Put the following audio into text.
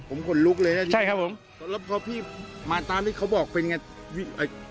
ผมก่อนลุกเลยนะจริงครับผมแล้วพี่มาตามที่เขาบอกเป็นอย่างไร